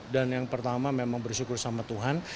dan yang pertama memang bersyukur sama tuhan